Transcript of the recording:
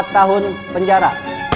empat tahun penjara